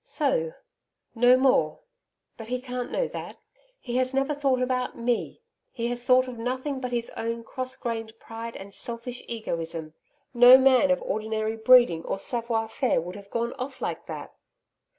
So! No more.... But he can't know that. He has never thought about ME. He has thought of nothing but his own cross grained pride and selfish egoism. No man of ordinary breeding or SAVOIR FAIRE would have gone off like that!'